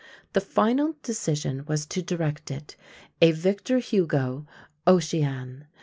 The final decision was to direct it, "A Victor Hugo, Ocean."